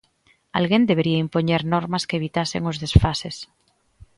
Alguén debería impoñer normas que evitasen os desfases.